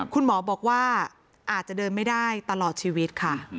คุณหมอบอกว่าอาจจะเดินไม่ได้ตลอดชีวิตค่ะ